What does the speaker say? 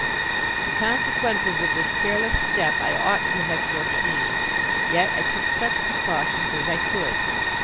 The consequences of this careless step I ought to have foreseen. Yet I took such precautions as I could.